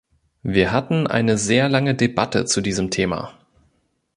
Wir hatten eine sehr lange Debatte zu diesem Thema.